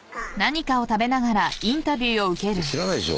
知らないでしょ。